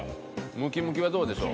ムキムキはどうでしょう？